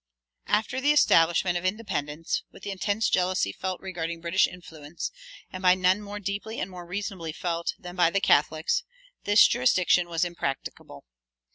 After the establishment of independence, with the intense jealousy felt regarding British influence, and by none more deeply and more reasonably felt than by the Catholics, this jurisdiction was impracticable.